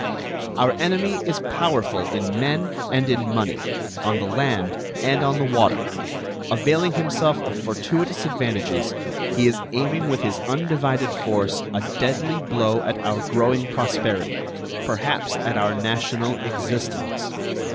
Our enemy is powerful in men and in money, on the land and on the water. Availing himself of fortuitous advantages, he is aiming with his undivided force a deadly blow at our growing prosperity, perhaps at our national existence.